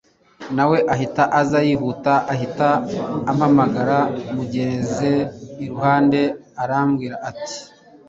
nawe ahita aza yihuta ahita ampamagara mugeze iruhande arambwira ati